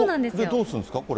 どうするんですか？